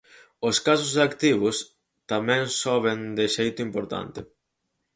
Os casos activos tamén soben de xeito importante.